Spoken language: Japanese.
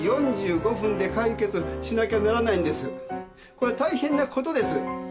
これは大変なことです。